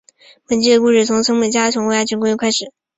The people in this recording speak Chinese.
本季的故事从陈美嘉重回爱情公寓开始。